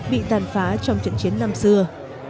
bị tàn phá trong trận chiến năm xưa